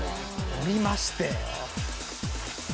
「下りまして」